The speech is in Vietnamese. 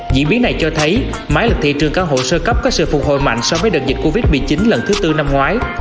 diễn biến này cho thấy máy lực thị trường căn hộ sơ cấp có sự phục hồi mạnh so với đợt dịch covid một mươi chín lần thứ tư năm ngoái